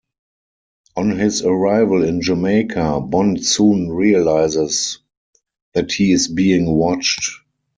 On his arrival in Jamaica, Bond soon realises that he is being watched.